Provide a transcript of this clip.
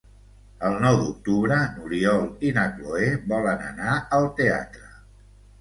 El nou d'octubre n'Oriol i na Cloè volen anar al teatre.